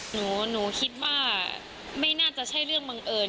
หนูคิดว่าไม่น่าจะใช่เรื่องบังเอิญ